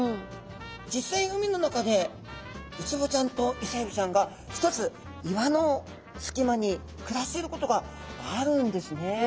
実際海の中でウツボちゃんとイセエビちゃんがひとつ岩の隙間に暮らしていることがあるんですね。